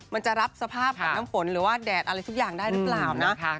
มันจะรับสภาพกับน้ำฝนหรือว่าแดดอะไรทุกอย่างได้หรือเปล่านะ